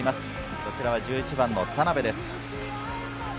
こちらは１１番の田邉です。